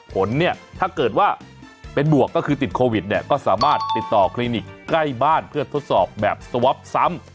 ผลเนี่ยถ้าเกิดว่าเป็นบวกก็คือติดโควิดเนี่ยก็สามารถติดต่อคลินิกใกล้บ้านเพื่อทดสอบแบบสวอปซ้ำ